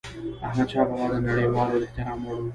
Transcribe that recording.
احمدشاه بابا د نړيوالو د احترام وړ و.